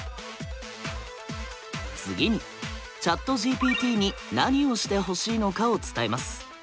次にＣｈａｔＧＰＴに何をしてほしいのかを伝えます。